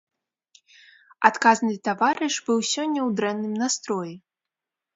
Адказны таварыш быў сёння ў дрэнным настроі.